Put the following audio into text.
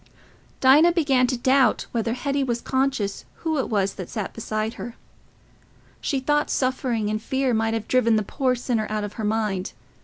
Dinah began to doubt whether Hetty was conscious who it was that sat beside her. She thought suffering and fear might have driven the poor sinner out of her mind.